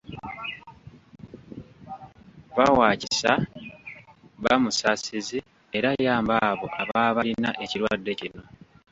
Ba wa kisa, ba musaasizi era yamba abo ababa balina ekirwadde kino.